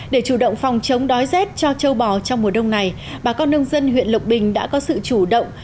để chủ động phòng chống đói rét cho châu bò trong mùa đông này bà con nông dân huyện lộc bình đã có sự chủ động